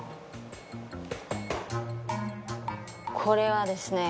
これはですね